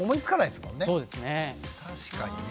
確かにね。